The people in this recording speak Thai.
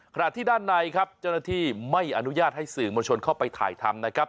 ขณะที่ด้านในครับเจ้าหน้าที่ไม่อนุญาตให้สื่อมวลชนเข้าไปถ่ายทำนะครับ